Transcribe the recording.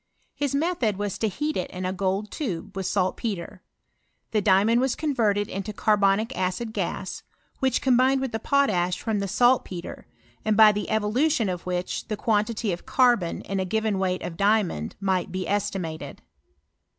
His method was to heat it in a gold tube, with saltpetre. "Hw diamond was converted into caibonic acid gas, which combined with the potash from the saltpetre, and by the evolution of which the quantity of catbon,.in k given weight of diamond, might be estimated.